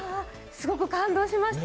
すごく感動しました。